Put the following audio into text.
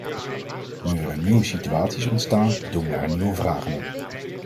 Nu er een nieuwe situatie is ontstaan, doemen er nieuwe vragen op.